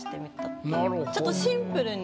ちょっとシンプルに。